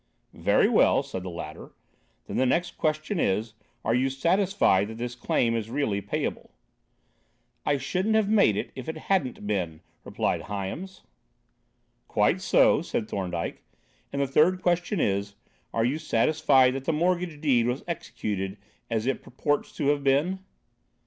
"Very well," said the latter, "then the next question is, are you satisfied that this claim is really payable?" "I shouldn't have made it if I hadn't been," replied Hyams. "Quite so," said Thorndyke; "and the third question is, are you satisfied that the mortgage deed was executed as it purports to have been?"